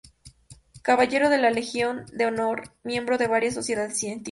Caballero de la Legión de Honor, miembro de varias sociedades científicas